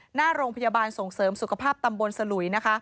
หน้าโรงพยาบาลส่งเสริมสุขภาพตำบลสลุยนะคะ